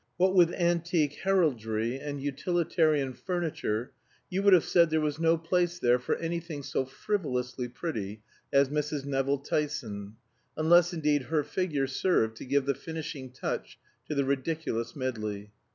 What with antique heraldry and utilitarian furniture, you would have said there was no place there for anything so frivolously pretty as Mrs. Nevill Tyson; unless, indeed, her figure served to give the finishing touch to the ridiculous medley.